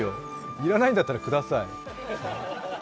要らないんだったらください。